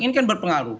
ini kan berpengaruh